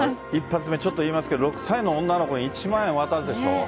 １発目、ちょっと言いますけど、６歳の女の子に１万円渡すでしょう。